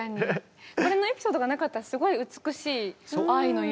これのエピソードがなかったらすごい美しい「愛の夢」